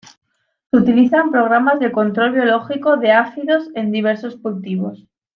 Se utiliza en programas de control biológico de áfidos en diversos cultivos.